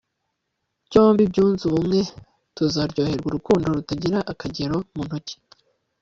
byombi byunze ubumwe, tuzaryoherwa urukundo rutagira akagero mu ntoki